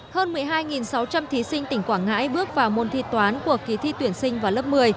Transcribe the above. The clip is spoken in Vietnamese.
hơn một mươi hai sáu trăm linh thí sinh tỉnh quảng ngãi bước vào môn thi toán của kỳ thi tuyển sinh vào lớp một mươi